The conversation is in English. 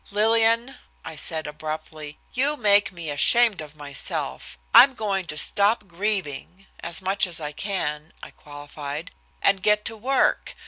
"Lillian!" I said abruptly, "you make me ashamed of myself. I'm going to stop grieving as much as I can " I qualified, "and get to work.